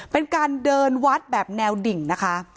เป็นการเดินวัดแบบแนวดิ่งนะคะ